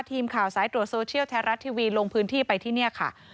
ทีมข่าวสายตรวจโซเชียลไทยรัฐทีวีลงพื้นที่ไปที่นี่ค่ะ